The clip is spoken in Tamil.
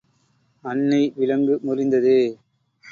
அன்னை விலங்கு முறிந்ததே!